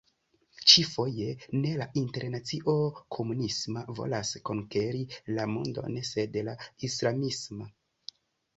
Ĉi-foje ne la internacio komunisma volas konkeri la mondon, sed la islamisma.